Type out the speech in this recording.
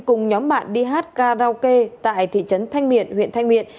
cùng nhóm bạn đi hát karaoke tại thị trấn thanh miện